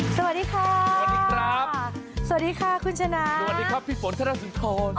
สวัสดีค่ะสวัสดีครับสวัสดีค่ะคุณชนะสวัสดีครับพี่ฝนธนสุนทร